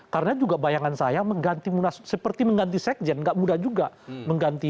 karena juga bayangan saya mengganti munas seperti mengganti sekjen nggak mudah juga mengganti